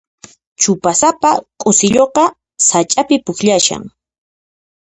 Chupasapa k'usilluqa sach'api pukllashan.